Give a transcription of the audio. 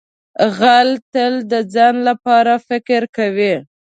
غل تل د ځان لپاره فکر کوي